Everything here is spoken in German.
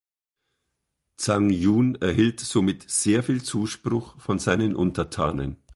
Zhang Jun erhielt somit sehr viel Zuspruch von seinen Untertanen.